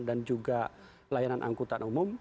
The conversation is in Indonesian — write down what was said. dan juga layanan angkutan umum